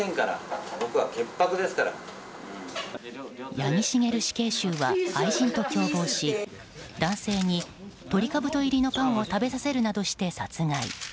八木茂死刑囚は愛人と共謀し男性にトリカブト入りのパンを食べさせるなどして殺害。